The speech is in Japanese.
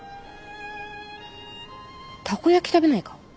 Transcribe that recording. たこ焼き食べないか？